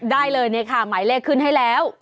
ได้เลยเนี่ยค่ะหมายเลขขึ้นให้แล้ว